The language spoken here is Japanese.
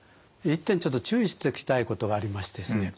一点ちょっと注意しておきたいことがありましてですね